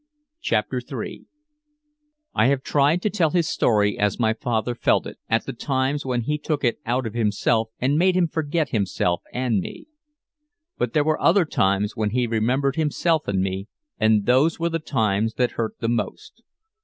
CHAPTER III I have tried to tell his story as my father felt it, at the times when it took him out of himself and made him forget himself and me. But there were other times when he remembered himself and me, and those were the times that hurt the most.